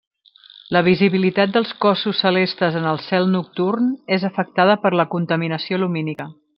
La visibilitat dels cossos celestes en el cel nocturn és afectada per la contaminació lumínica.